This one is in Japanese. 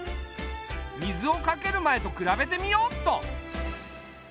水をかける前と比べてみよっと。